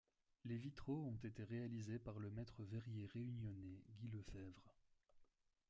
Les vitraux ont été réalisés par le maître verrier réunionnais Guy Lefèvre.